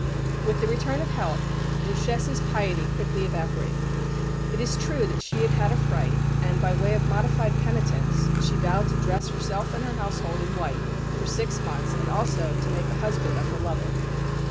With the return of health, the Duchesse's piety quickly evaporated. It is true that she had had a fright; and, by way of modified penitence, she vowed to dress herself and her household in white for six months and also to make a husband of her lover.